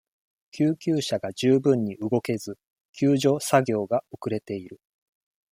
救急車が十分に動けず、救助作業が遅れている。